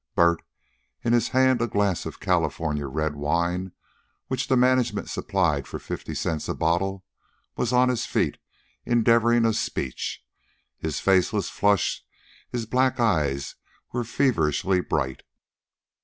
Bert, in his hand a glass of California red wine, which the management supplied for fifty cents a bottle, was on his feet endeavoring a speech. His face was flushed; his black eyes were feverishly bright.